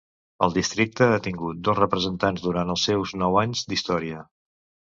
El districte ha tingut dos representants durant els seus nou anys d'història.